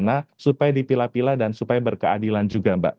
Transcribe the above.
aset aset tindak pidana supaya dipila pila dan supaya berkeadilan juga mbak